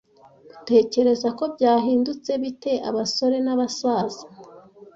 Utekereza ko byahindutse bite abasore n'abasaza?